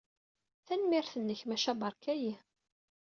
Tanemmirt-nnek, maca beṛka-iyi.